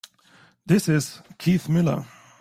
This is Keith Miller.